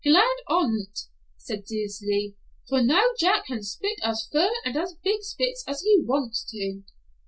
"Glad on't," said Dilsey, "for now Jack can spit as fur and as big spits as he wants to."